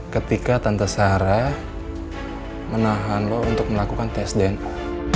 ketika tante sarah menahan lo untuk melakukan tes dna